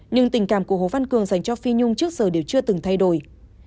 nhưng tình cảm của hồ văn cường dành cho phi nhung trước giờ đều chưa từng thay đổi